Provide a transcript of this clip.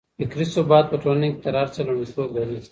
فکري ثبات په ټولنه کي تر هر څه لومړيتوب لري.